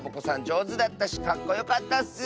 じょうずだったしかっこよかったッス！